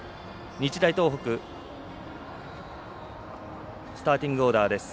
日大東北スターティングオーダーです。